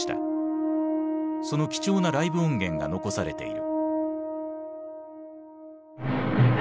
その貴重なライブ音源が残されている。